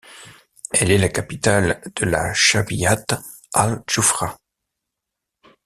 Elle est la capitale de la chabiyat Al Djoufrah.